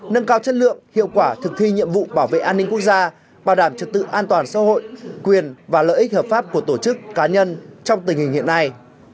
nâng cao chất lượng hiệu quả thực thi nhiệm vụ bảo vệ an ninh quốc gia bảo đảm trật tự an toàn xã hội quyền và lợi ích hợp pháp của tổ chức cá nhân trong tình hình hiện nay